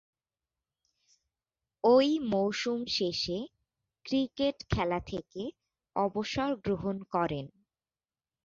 ঐ মৌসুম শেষে ক্রিকেট খেলা থেকে অবসর গ্রহণ করেন।